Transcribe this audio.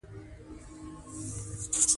رومیانو ته یو لړ اساسي ټکنالوژۍ په میراث پاتې وې